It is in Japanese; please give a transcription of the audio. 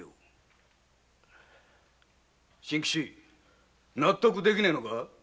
真吉納得できねぇのか。